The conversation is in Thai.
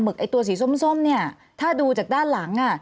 มึกแบบตัวสีส้มถ้าดูจากด้านหลัง